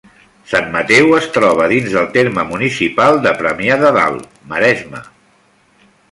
Sant Mateu es troba dins del terme municipal de Premià de Dalt, Maresme.